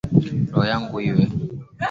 Roho yangu na iwe, rahani mwako wewe.